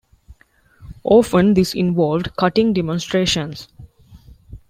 Often, this involved cutting demonstrations.